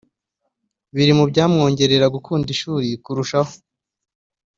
biri mu byamwongerera gukunda ishuri kurushaho”